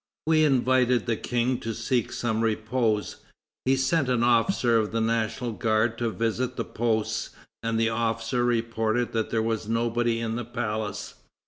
We invited the King to seek some repose. He sent an officer of the National Guard to visit the posts, and the officer reported that there was nobody in the palace.